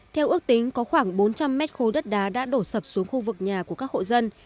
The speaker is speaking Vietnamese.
theo ước tính có khoảng bốn trăm linh mét khối đất đá đã đổ sập xuống khu vực nhà của các hộ dân